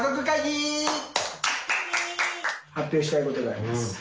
発表したいことがあります。